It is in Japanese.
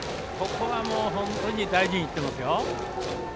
ここは大事にいってますよ。